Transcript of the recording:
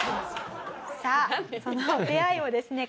さあその出会いをですね